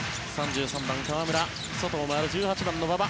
３３番、河村外を回る１８番の馬場。